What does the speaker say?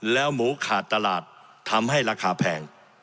แล้วหมูขาดตลาดทำให้ราคาแพง